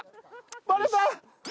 バレた！